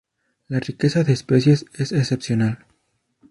La riqueza de especies es excepcional.